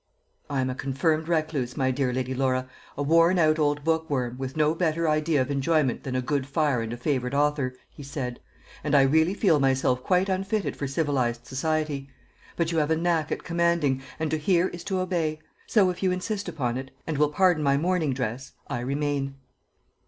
"I am a confirmed recluse, my dear Lady Laura, a worn out old bookworm, with no better idea of enjoyment than a good fire and a favourite author," he said; "and I really feel myself quite unfitted for civilised society. But you have a knack at commanding, and to hear is to obey; so if you insist upon it, and will pardon my morning dress, I remain."